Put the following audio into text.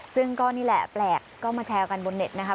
ซึ่งก็นี่แหละแปลกก็มาแชร์กันบนเน็ตนะคะ